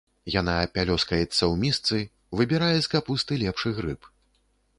Яна пялёскаецца ў місцы, выбірае з капусты лепшы грыб.